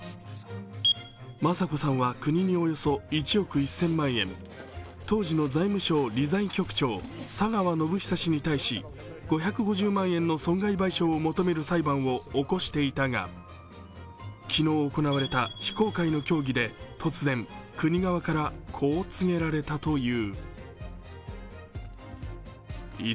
雅子さんは国におよそ１億１０００万円当時の財務省理財局長、佐川宣寿氏に対し、５５０万円の損害賠償を求める裁判を起こしていたが、昨日行われた非公開の協議で突然国側からこう告げられたという。